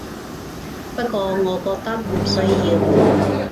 不過我覺得唔需要